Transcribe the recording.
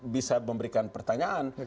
bisa memberikan pertanyaan